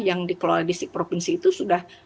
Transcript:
yang di kuala lidik provinsi itu sudah